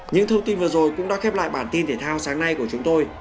những thông tin vừa rồi cũng đã khép lại bản tin thể thao sáng nay của chúng tôi